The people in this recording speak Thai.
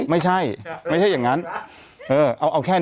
เอาแค่นี้แหละกัน